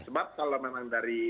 sebab kalau memang dari